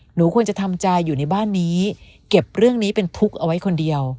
หนูควรจะทำใจอยู่ในบ้านนี้เก็บเรื่องนี้เป็นทุกข์เอาไว้คนเดียว